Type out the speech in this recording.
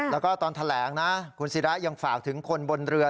แล้วก็ตอนแถลงนะคุณศิรายังฝากถึงคนบนเรือ